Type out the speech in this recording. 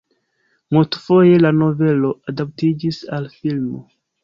Multfoje la novelo adaptiĝis al filmo.